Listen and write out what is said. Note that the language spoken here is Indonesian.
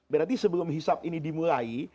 berarti sebelum hisap ini dimulai